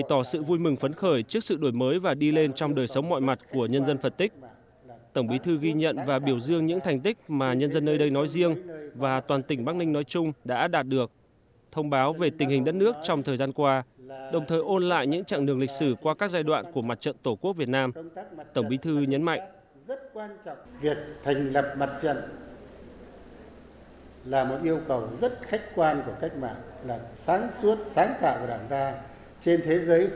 trước sự đổi mới và đi lên trong đời sống mọi mặt của nhân dân phật tích tổng bí thư ghi nhận và biểu dương những thành tích mà nhân dân nơi đây nói riêng và toàn tỉnh bắc ninh nói chung đã đạt được thông báo về tình hình đất nước trong thời gian qua đồng thời ôn lại những trạng đường lịch sử qua các giai đoạn của mặt trận tổ quốc việt nam tổng bí thư nhấn mạnh